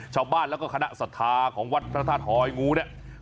ชาวบ้านแล้วก็คณะศรัทธาของวัดพระธาตุหอยงูเนี่ย